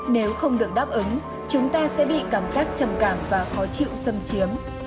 nếu không được đáp ứng chúng ta sẽ bị cảm giác trầm cảm và khó chịu xâm chiếm